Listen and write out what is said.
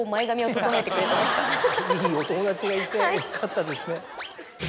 いいお友達がいてよかったですね。